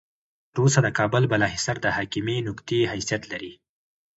تر اوسه د کابل بالا حصار د حاکمې نقطې حیثیت لري.